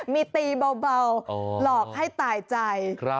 มีตีเบาหลอกให้ตายใจ